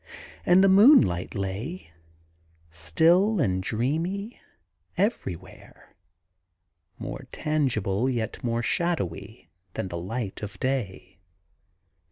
And the moonlight lay, still and dreamy, everywhere, more tangible, yet more shadowy, than the light of day.